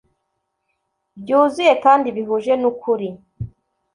byuzuye kandi bihuje n ‘ukuri